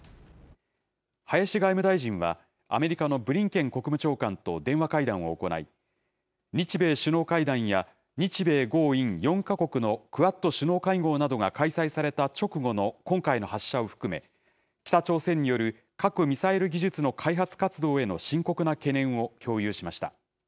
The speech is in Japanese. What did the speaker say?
林外務大臣は、アメリカのブリンケン国務長官と電話会談を行い、日米首脳会談や、日米豪印４か国のクアッド首脳会合などが開催された直後の今回の発射を含め、北朝鮮による核・ミサイル技術の開発活動への深刻な懸念を共有しました。